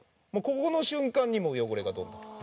この瞬間に汚れがどんどん。